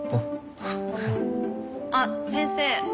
あっ先生。